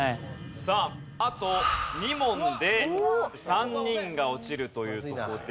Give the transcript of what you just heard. さああと２問で３人が落ちるという事で。